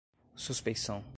suspeição